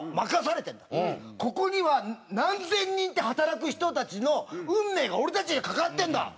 ここには何千人って働く人たちの運命が俺たちには懸かってんだ！